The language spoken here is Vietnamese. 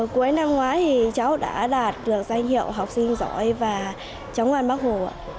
cuối năm ngoái thì cháu đã đạt được danh hiệu học sinh giỏi và cháu ngoan bác hồ ạ